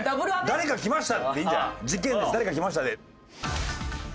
誰か来ました！